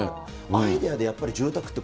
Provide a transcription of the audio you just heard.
アイデアでやっぱり住宅って